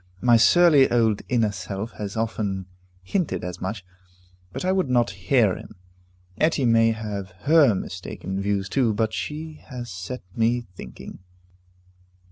My surly old inner self has often hinted as much, but I would not hear him. Etty may have her mistaken views too, but she has set me thinking.